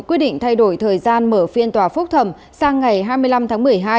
quyết định thay đổi thời gian mở phiên tòa phúc thẩm sang ngày hai mươi năm tháng một mươi hai